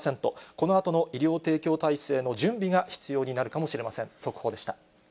このあとの医療提供体制の準備が必要になるかもしれません。